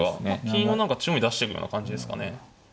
金を何か中央に出してくような感じですかね。